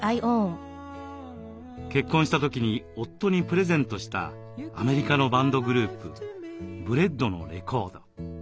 結婚した時に夫にプレゼントしたアメリカのバンドグループＢｒｅａｄのレコード。